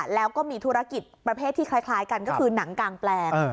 แล้วก็มีธุรกิจประเภทที่คล้ายกันก็คือหนังกางแปลง